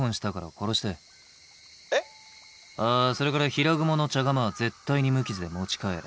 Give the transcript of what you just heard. あそれから平蜘蛛の茶釜は絶対に無傷で持ち帰れ。